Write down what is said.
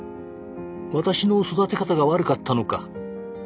「私の育て方が悪かったのか」